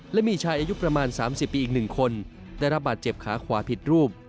และมีชายอายุประมาณ๓๐ปีอีก๑คนได้รับบาดเจ็บขาขวาผิดรูป